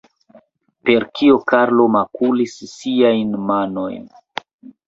Per kio Karlo makulis siajn manojn?